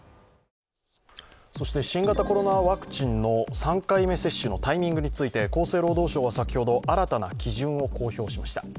新型コロナワクチンの３回目接種のタイミングについて厚生労働省は先ほど新たな基準を公表しました。